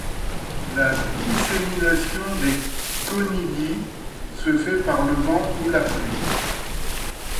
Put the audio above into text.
La dissémination des conidies se fait par le vent ou la pluie.